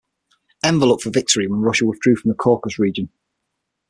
Enver looked for victory when Russia withdrew from the Caucasus region.